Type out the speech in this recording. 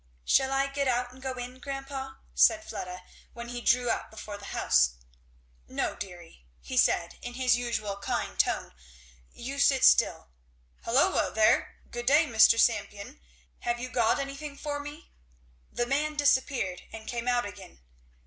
"Shall I get out and go in, grandpa?" said Fleda when he drew up before the house. "No, deary," said he in his usual kind tone; "you sit still. Holloa there! Good day, Mr. Sampion have you got any thing for me?" The man disappeared and came out again.